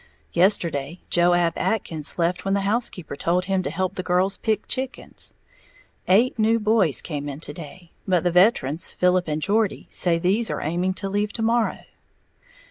Yesterday Joab Atkins left when the housekeeper told him to help the girls pick chickens. Eight new boys came in to day, but the veterans, Philip and Geordie, say these are aiming to leave to morrow.